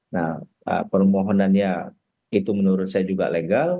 nah permohonannya itu menurut saya juga legal